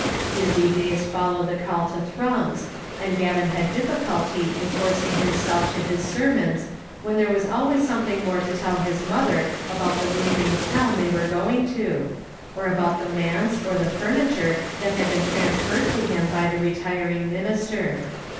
Busy days followed the call to Thrums, and Gavin had difl&culty in forcing himself to his sermons when there was always something more to tell his mother about the weaving town they were going to, or about the manse or the furniture that had been transferred to him by the retiring minister.